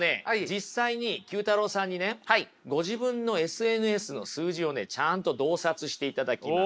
実際に９太郎さんにねご自分のＳＮＳの数字をちゃんと洞察していただきます。